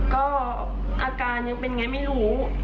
ก็อาการยังเป็นอย่างไรไม่รู้